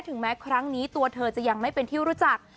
ถึงแม้ครั้งนี้ตัวเธอจะยังไม่เป็นที่รู้จัก